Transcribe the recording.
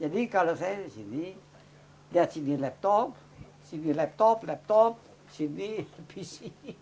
jadi kalau saya di sini lihat sini laptop sini laptop laptop sini pc